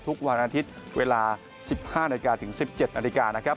ทุกวันอาทิตย์เวลา๑๕นาฬิกาถึง๑๗นาฬิกานะครับ